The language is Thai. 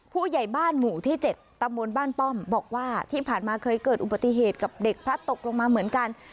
ผู้ใหญ่บ้านหมู่ที่๗ตำบลบ้านป้อมบอกว่าที่ผ่านมาเคยเกิดอุบัติเหตุกับเด็กพลัดตกลงมาเหมือนกัน